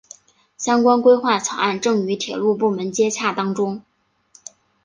相关规划草案正与铁路部门接洽当中。